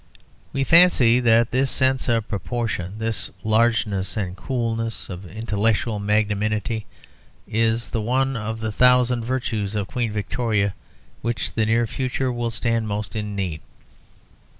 We fancy that this sense of proportion, this largeness and coolness of intellectual magnanimity is the one of the thousand virtues of Queen Victoria of which the near future will stand most in need.